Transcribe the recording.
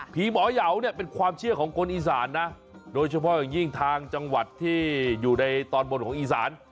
ผีหมอยาวเนี่ยเป็นความเชื่อของคนอีสานนะโดยเฉพาะอย่างยิ่งทางจังหวัดที่อยู่ในตอนบนของอีสาน